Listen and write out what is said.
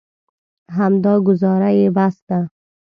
همدا ګوزاره یې بس ده.